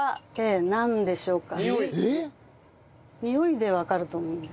においでわかると思うんです。